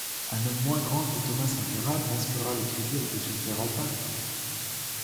Un homme moins grand que Thomas Sankara masquera le crédit avec des chasseurs alpins!